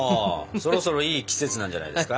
そろそろいい季節なんじゃないですか？